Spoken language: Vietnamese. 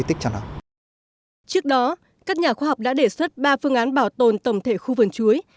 trước đó các nhà khoa học đã đề xuất ba phương án bảo tồn tổng thể khu vườn chuối